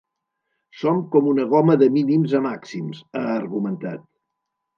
Som com una goma de mínims a màxims, ha argumentat.